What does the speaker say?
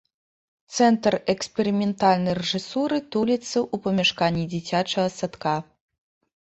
Цэнтр эксперыментальнай рэжысуры туліцца ў памяшканні дзіцячага садка.